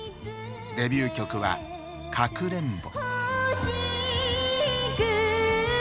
デビュー曲は「かくれんぼ」。